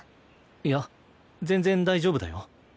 いや全然大丈夫だよ。